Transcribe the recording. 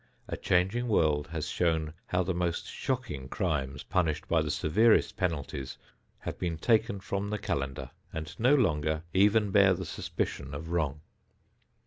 A changing world has shown how the most shocking crimes punished by the severest penalties have been taken from the calendar and no longer even bear the suspicion of wrong.